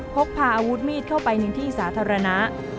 พกพาอาวุธมีดเข้าไปในที่สาธารณะ